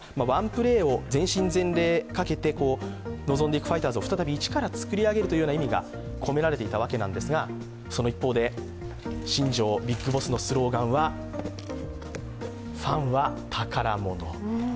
ワンプレーを全身全霊をかけて臨んでいくファイターズを一から作り上げるという意味が込められていたんですが、その一方で、新庄ビッグボスのスローガンは「ファンは宝物」。